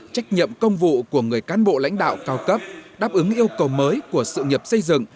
trách nhiệm công vụ của người cán bộ lãnh đạo cao cấp đáp ứng yêu cầu mới của sự nghiệp xây dựng